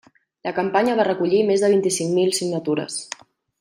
La campanya va recollir més de vint-i-cinc mil signatures.